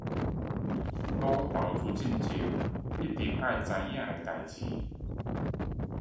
但投資前一定要知道的事